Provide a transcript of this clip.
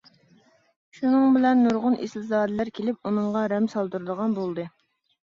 شۇنىڭ بىلەن نۇرغۇن ئېسىلزادىلەر كېلىپ ئۇنىڭغا رەم سالدۇرىدىغان بولدى.